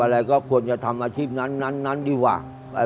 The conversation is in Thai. อะไรก็ควรจะทำอาชีพนั้นนั้นดีกว่า